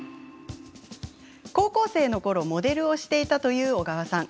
高校生のころモデルをしていたという小川さん。